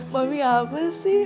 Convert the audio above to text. mami apa sih